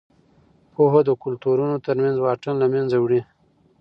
پوهه د کلتورونو ترمنځ واټن له منځه وړي.